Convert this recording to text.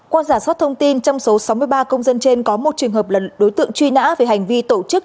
qua giả soát thông tin trong số sáu mươi ba công dân trên có một trường hợp là đối tượng truy nã về hành vi tổ chức